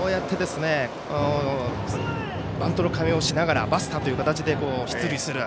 バントの構えをしながらバスターという形で出塁する。